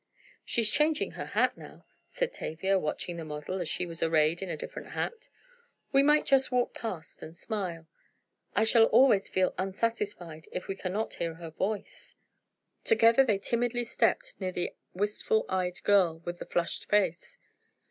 "She's changing her hat now," said Tavia, watching the model as she was arrayed in a different hat. "We might just walk past and smile. I shall always feel unsatisfied if we cannot hear her voice." Together they timidly stepped near the wistful eyed girl with the flushed face.